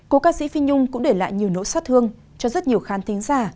cô ca sĩ phí nhung cũng để lại nhiều nỗi xót thương cho rất nhiều khán tính già